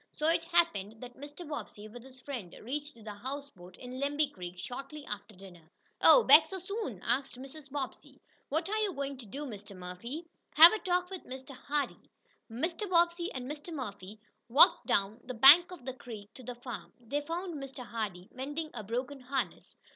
So it happened that Mr. Bobbsey, with his friend, reached the houseboat, in Lemby Creek, shortly after dinner. "Oh, back so soon?" asked Mrs. Bobbsey. "What are you going to do, Mr. Murphy?" "Have a talk with Mr. Hardee." Mr. Bobbsey and Mr. Murphy walked down the bank of the creek to the farm. They found Mr. Hardee mending a broken harness.